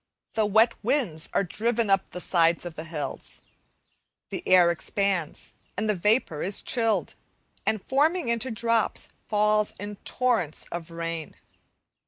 The wet winds are driven up the sides of the hills, the air expands, and the vapour is chilled, and forming into drops, falls in torrents of rain.